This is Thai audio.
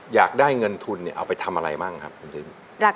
อยากได้เงินทุนเอาไปทำอะไรบ้างครับคุณตึง